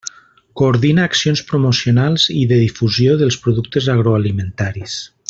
Coordina accions promocionals i de difusió dels productes agroalimentaris.